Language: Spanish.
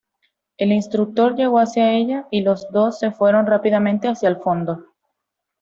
El instructor llegó hacia ella y los dos se fueron rápidamente hacia el fondo.